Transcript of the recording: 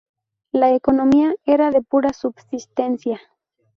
La economía era de pura subsistencia.